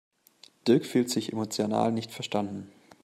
Dirk fühlt sich emotional nicht verstanden.